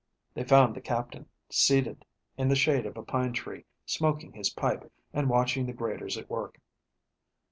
They found the Captain, seated in the shade of a pine tree, smoking his pipe and watching the graders at work.